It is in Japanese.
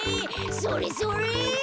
それそれ！